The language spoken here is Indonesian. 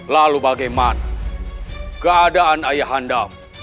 lalu bagaimana keadaan ayahanda